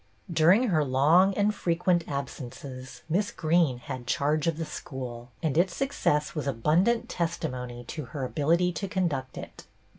During her long and frequent absences Miss Greene had charge of the school, and its suc cess was abundant testimony to her ability to conduct it.